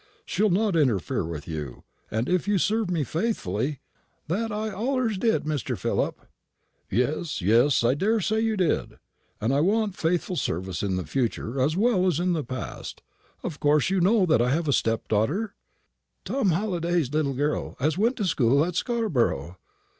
"She'll not interfere with you; and if you serve me faithfully " "That I allers did, Mr. Philip." "Yes, yes; I daresay you did. But I want faithful service in the future as well as in the past. Of course you know that I have a stepdaughter?" "Tom Halliday's little girl, as went to school at Scarborough."